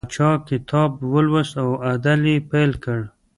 پاچا کتاب ولوست او عدل یې پیل کړ.